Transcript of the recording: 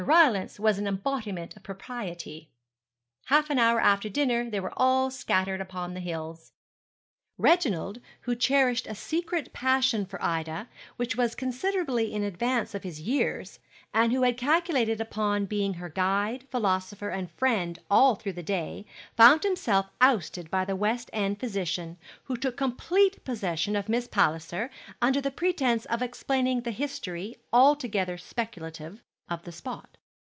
Rylance was an embodiment of propriety. Half an hour after dinner they were all scattered upon the hills. Reginald, who cherished a secret passion for Ida, which was considerably in advance of his years, and who had calculated upon being her guide, philosopher, and friend all through the day, found himself ousted by the West End physician, who took complete possession of Miss Palliser, under the pretence of explaining the history altogether speculative of the spot.